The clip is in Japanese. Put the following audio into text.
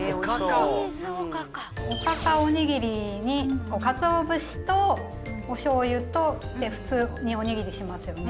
おかかおにぎりにかつお節とおしょうゆと普通におにぎりしますよね。